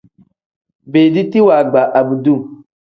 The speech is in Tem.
Beediti waagba abduu.